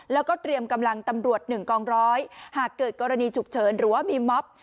แล้วก็เตรียมกำลังตำรวจ๑กองร้อยหากเกิดกรณีฉุกเฉินหรือว่ามีม็อบ